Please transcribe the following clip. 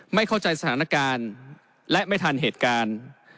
ไม่เข้าใจสถานการณ์และไม่ทันเหตุการณ์